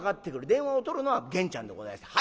電話をとるのはゲンちゃんでございまして。